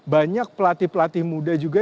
banyak pelatih pelatih muda juga